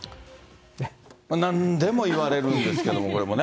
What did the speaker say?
なんでもいわれるんですけども、これもね。